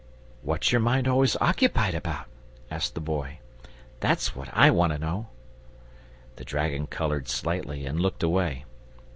"What's your mind always occupied about?" asked the Boy. "That's what I want to know." The dragon coloured slightly and looked away.